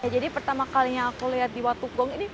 jadi pertama kalinya aku lihat di watugong